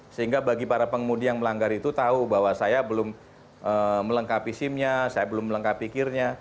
sehingga bagi para pengemudi yang melanggar itu tahu bahwa saya belum melengkapi sim nya saya belum melengkapi kirnya